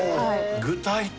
具体的！